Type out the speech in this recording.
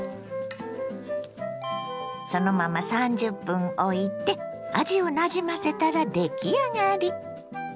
そのまま３０分おいて味をなじませたら出来上がり。